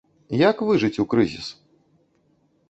Як выжыць у крызіс?